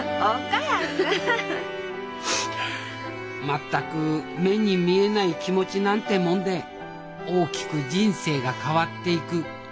全く目に見えない気持ちなんてもんで大きく人生が変わっていく。